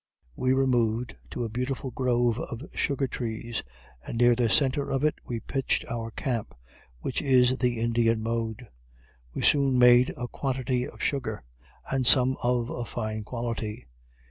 We removed to a beautiful grove of sugar trees, and near the centre of it we pitched our camp, which is the Indian mode. We soon made a quantity of sugar, and some of a fine quality.